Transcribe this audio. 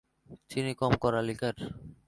চিনি কম কড়া লিকার।